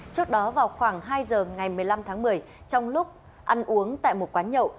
trước đó vào khoảng hai giờ ngày một mươi năm tháng một mươi trong lúc ăn uống tại một quán nhậu